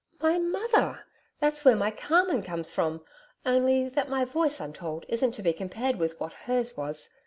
'My mother! That's where my CARMEN comes from only that my voice, I'm told, isn't to be compared with what hers was....